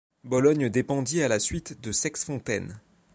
Bologne dépendit à la suite de Sexfontaines.